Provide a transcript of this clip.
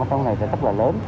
ở trong này rất là lớn